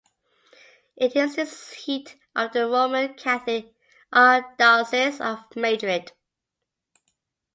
It is the seat of the Roman Catholic Archdiocese of Madrid.